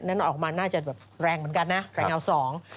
นั้นออกมาน่าจะแบบแรงเหมือนกันนะแต่เงาสอง